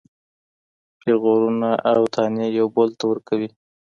پیغورونه او طعنې يو بل ته ورکوي.